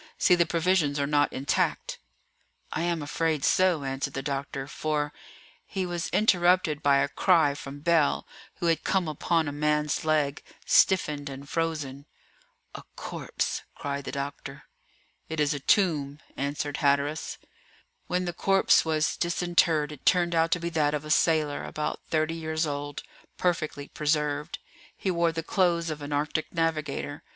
See, the provisions are not intact." "I am afraid so," answered the doctor; "for " He was interrupted by a cry from Bell, who had come upon a man's leg, stiffened and frozen. "A corpse," cried the doctor. "It is a tomb," answered Hatteras. When the corpse was disinterred it turned out to be that of a sailor, about thirty years old, perfectly preserved. He wore the clothes of an Arctic navigator.